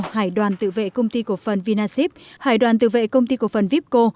hải đoàn tự vệ công ty cổ phần vinasip hải đoàn tự vệ công ty cổ phần vipco